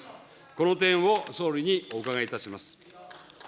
この点を総理にお伺いいたします。